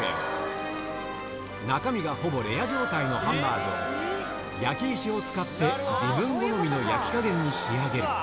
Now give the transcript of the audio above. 中身がほぼレア状態のハンバーグを、焼き石を使って自分好みの焼き加減に仕上げる。